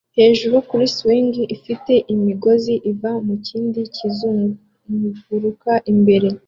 hejuru kuri swing afite imigozi iva mukindi kizunguruka imbere